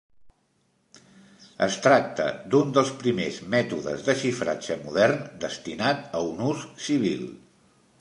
Es tracta d'un dels primers mètodes de xifratge modern destinat a un ús civil.